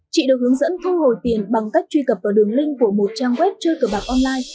chị được hướng dẫn thu hồi tiền bằng cách truy cập vào đường link của một trang web chơi cờ bạc online